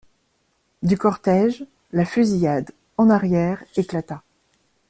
Du cortège, la fusillade, en arrière, éclata.